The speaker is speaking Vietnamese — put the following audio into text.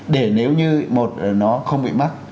để nếu như một nó không bị mắc